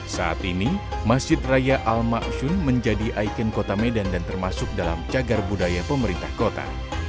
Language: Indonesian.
saat ini masjid raya al ⁇ maasun menjadi ikon kota medan dan termasuk dalam cagar budaya pemerintah kota